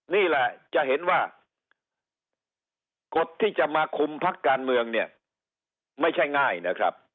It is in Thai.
นี่แหละจะเห็นว่ากฎที่จะมาคุมพักการเมืองเนี่ยไม่ใช่ง่ายนะครับ